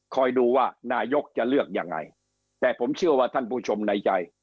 ดูว่านายกจะเลือกยังไงแต่ผมเชื่อว่าท่านผู้ชมในใจ